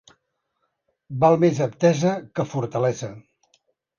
Val més aptesa que fortalesa.